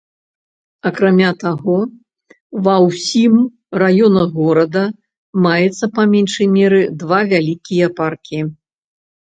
Акрамя таго, ва ўсім раёнах горада маецца па меншай меры два вялікія паркі.